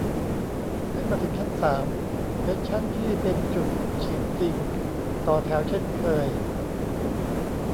ขึ้นมาถึงชั้นสาม เป็นชั้นที่เป็นจุดฉีดจริง ต่อแถวเช่นเคย